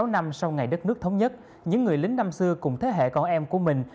sáu năm sau ngày đất nước thống nhất những người lính năm xưa cùng thế hệ con em của mình